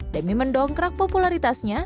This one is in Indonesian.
demi mendongkrak popularitasnya